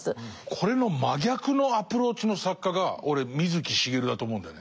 これの真逆のアプローチの作家が俺水木しげるだと思うんだよね。